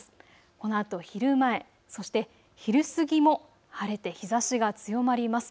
このあと昼前、そして昼過ぎも晴れて日ざしが強まります。